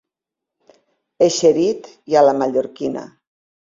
Eixerit i a la mallorquina.